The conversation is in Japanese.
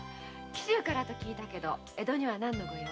紀州からと聞いたけど江戸には何の御用？